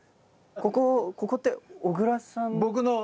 ここここって小倉さん。